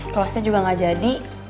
kelasnya juga gak jadi